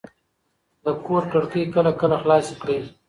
د کور کړکۍ کله کله خلاصې کړئ.